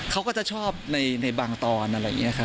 เขาก็จะชอบในบางตอนอะไรอย่างนี้ครับ